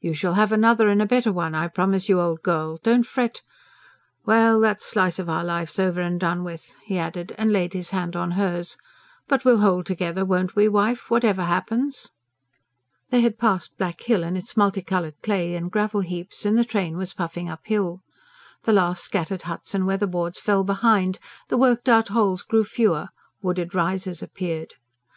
"You shall have another and a better one, I promise you, old girl don't fret. Well, that slice of our life's over and done with," he added, and laid his hand on hers. "But we'll hold together, won't we, wife, whatever happens?" They had passed Black Hill and its multicoloured clay and gravel heaps, and the train was puffing uphill. The last scattered huts and weatherboards fell behind, the worked out holes grew fewer, wooded rises appeared.